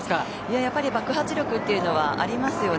やっぱり爆発力というのはありますよね。